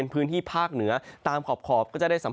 ในพื้นที่ภาคเหนือตามขอบ